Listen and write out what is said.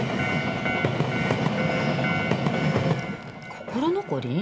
心残り？